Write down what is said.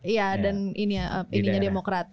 iya dan ininya demokrat